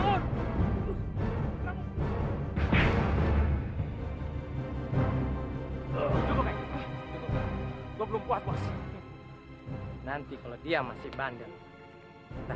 tempat pengajian malah dijadiin tempat tukang